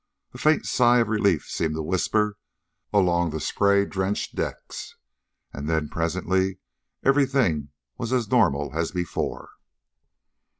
A faint sigh of relief seemed to whisper along the spray drenched decks. And then presently everything was as normal as before.